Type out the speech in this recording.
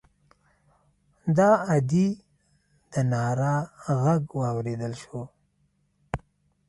د ادي د ناره غږ واورېدل شو.